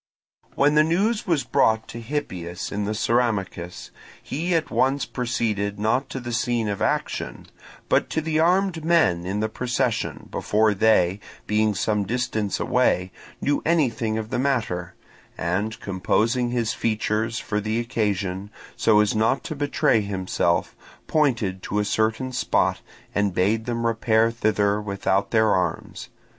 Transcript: When the news was brought to Hippias in the Ceramicus, he at once proceeded not to the scene of action, but to the armed men in the procession, before they, being some distance away, knew anything of the matter, and composing his features for the occasion, so as not to betray himself, pointed to a certain spot, and bade them repair thither without their arms.